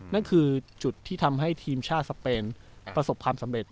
นั่นคือจุดที่ทำให้ทีมชาติสเปนประสบความสำเร็จ